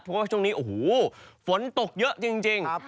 เพราะว่าช่วงนี้โอ้โหฝนตกเยอะจริง